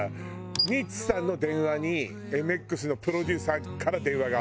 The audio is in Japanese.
ミッツさんの電話にＭＸのプロデューサーから電話があったのよ。